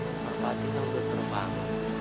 pak pati gak boleh terbang